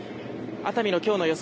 熱海の今日の予想